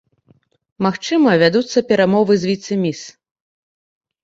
Магчыма, вядуцца перамовы з віцэ-міс.